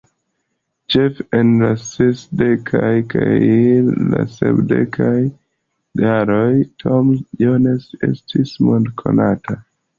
Ĉefe en la sesdekaj kaj sepdekaj jaroj Tom Jones estis monde konata.